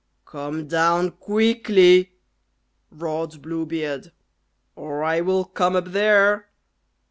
"Come down quickly," roared Blue Beard, "or I will come up there."